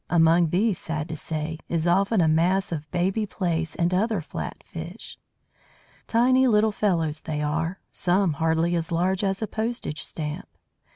Among these, sad to say, is often a mass of baby Plaice and other flat fish. Tiny little fellows they are, some hardly as large as a postage stamp.